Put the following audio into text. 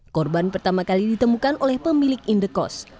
korban pertama kali ditemukan oleh pemilik indekos